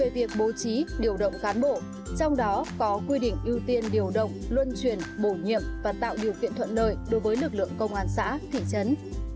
về việc bố trí điều động cán bộ trong đó có quy định ưu tiên điều động luân truyền bổ nhiệm và tạo điều kiện thuận lợi đối với lực lượng công an xã thị trấn